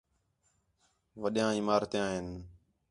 وݙیاں عمارتیاں ہین